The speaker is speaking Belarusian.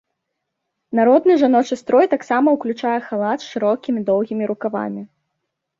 Народны жаночы строй таксама уключае халат з шырокімі доўгімі рукавамі.